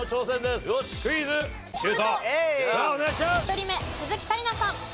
１人目鈴木紗理奈さん。